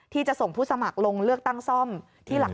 ที่จะส่งผู้สมัครลงเลือกตั้งซ่อมที่หลัก